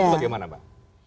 itu bagaimana mbak